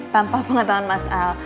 tanpa pengetahuan mas al